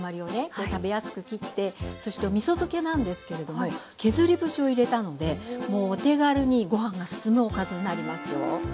食べやすく切ってそしてみそ漬けなんですけれども削り節を入れたのでもうお手軽にご飯がすすむおかずになりますよ。